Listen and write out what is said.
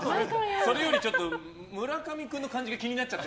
それより村上君の感じが気になっちゃって。